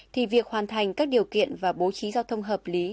thì việc hoàn thành các điều kiện và bố trí giao thông hợp lý